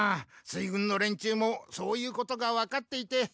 水軍の連中もそういうことがわかっていて。